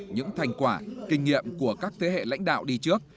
những thành quả kinh nghiệm của các thế hệ lãnh đạo đi trước